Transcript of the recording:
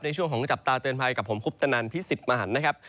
ช่วงของจับตาเตือนภัยกับผมคุปตนันพิสิทธิ์มหันนะครับ